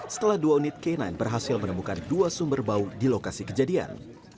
setelah dua unit k sembilan berhasil menemukan dua sumber bau di lokasi kejadian